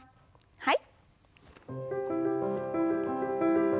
はい。